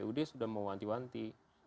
kpud sudah mewanti wanti